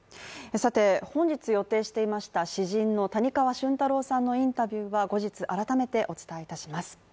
さて、本日予定していました詩人の谷川俊太郎さんのインタビューは後日改めてお伝えいたします。